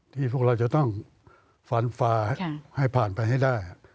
พวกเราจะต้องฟันฝาให้ผ่านไปให้ได้